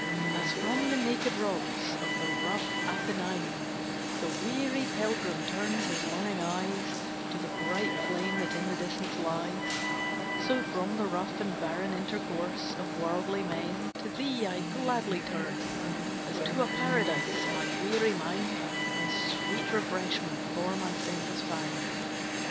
As from the naked rocks Of the rough Apennine, The weary pilgrim turns his longing eyes To the bright plain that in the distance lies; So from the rough and barren intercourse Of worldly men, to thee I gladly turn, As to a Paradise, my weary mind, And sweet refreshment for my senses find.